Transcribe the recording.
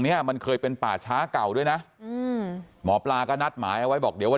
เนี้ยมันเคยเป็นป่าช้าเก่าด้วยนะอืมหมอปลาก็นัดหมายเอาไว้บอกเดี๋ยวว่า